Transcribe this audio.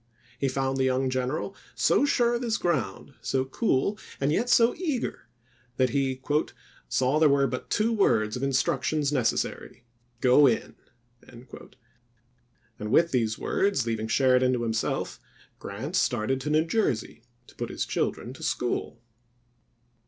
He found the young general so sure of his ground, so cool, and yet so eager, that he " saw there were but two words of instructions necessary :" Go in !" and with these words, leaving Sheridan to himself, Grant started to New Jersey to put his children to school.